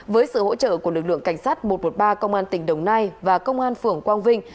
với sự hỗ trợ của lực lượng cảnh sát một trăm một mươi ba công an tỉnh đồng nai và công an phưởng quang vinh